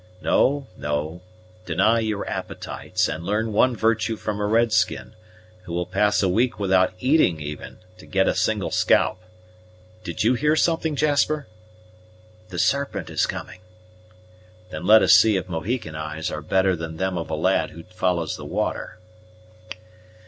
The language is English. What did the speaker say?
No, no; deny your appetites; and learn one virtue from a red skin, who will pass a week without eating even, to get a single scalp. Did you hear nothing, Jasper?" "The Serpent is coming." "Then let us see if Mohican eyes are better than them of a lad who follows the water."